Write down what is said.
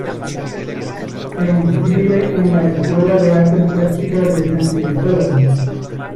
Se inscribe en la Escuela de Artes Plásticas de San Cristóbal.